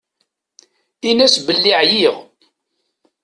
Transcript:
Inn-as belli ɛyiɣ.